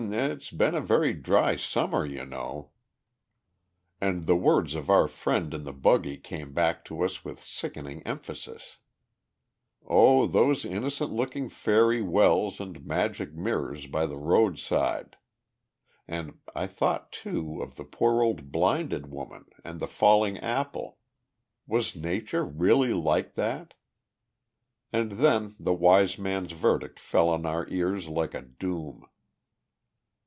... H'm it's been a very dry Summer, you know." And the words of our friend in the buggy came back to us with sickening emphasis. O those innocent looking fairy wells and magic mirrors by the road side! And I thought, too, of the poor old blinded woman and the falling apple. Was Nature really like that? And then the wise man's verdict fell on our ears like a doom.